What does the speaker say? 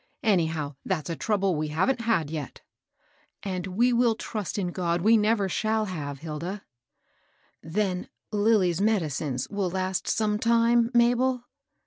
Anyhow that's a trouble we haven't had yet." " And we will trust in God we never shall have, Hilda." 236 MABEL ROSS. Tben Lilly's medicines will last some titrie, Mabel?"